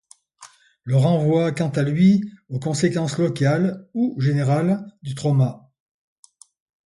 Le renvoie quant à lui aux conséquences locales ou générales du trauma.